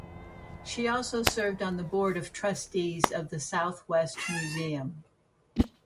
She also served on the board of trustees of the Southwest Museum.